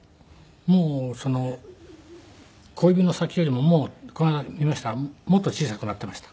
もう小指の先よりももうこの間見ましたらもっと小さくなっていました。